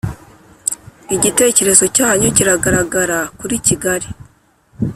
igitekerezo cyanyu kiragaragara kuri kigali